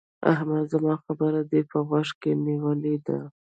احمده! زما خبره دې په غوږو کې نيولې ده؟